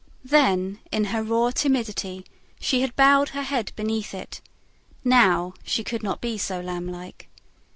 Then, in her raw timidity, she had bowed her head beneath it; now, she could not be so lamb like.